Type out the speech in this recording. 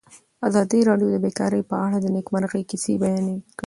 ازادي راډیو د بیکاري په اړه د نېکمرغۍ کیسې بیان کړې.